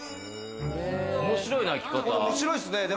面白いね、開き方。